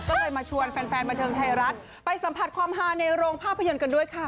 ก็เลยมาชวนแฟนบันเทิงไทยรัฐไปสัมผัสความฮาในโรงภาพยนตร์กันด้วยค่ะ